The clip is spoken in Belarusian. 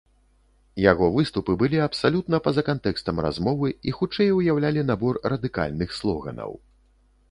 Яго выступы былі абсалютна па-за кантэкстам размовы, і хутчэй уяўлялі набор радыкальных слоганаў.